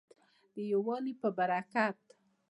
د یووالي په برکت.